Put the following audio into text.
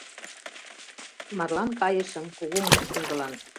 Марлан кайышым кугу мушкындылан